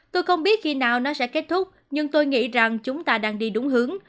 tôi không biết khi nào nó sẽ kết thúc nhưng tôi nghĩ rằng chúng ta đang đi đúng hướng